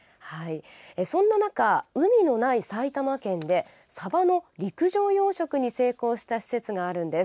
そんな中、海のない埼玉県でサバの陸上養殖に成功した施設があるんです。